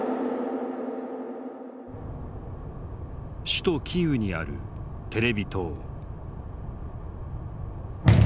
首都キーウにあるテレビ塔。